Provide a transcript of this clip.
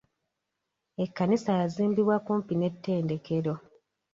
Ekkanisa yazimbibwa kumpi n'ettendekero.